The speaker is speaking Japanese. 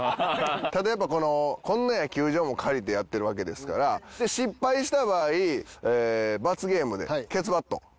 ただやっぱこのこんな野球場も借りてやってるわけですから失敗した場合罰ゲームでケツバット。